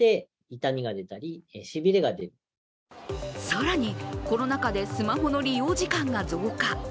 更に、コロナ禍でスマホの利用時間が増加。